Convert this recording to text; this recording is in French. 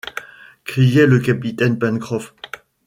criait le capitaine Pencroff